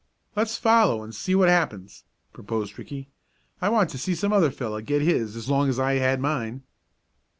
"Let's follow and see what happens," proposed Ricky. "I want to see some other fellow get his as long as I had mine."